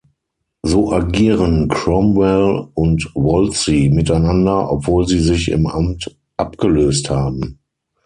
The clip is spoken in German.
So agieren Cromwell und Wolsey miteinander, obwohl sie sich im Amt abgelöst haben.